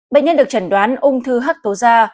bệnh nhân được chẩn đoán ung thư hắc tố da